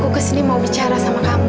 aku kesini mau bicara sama kamu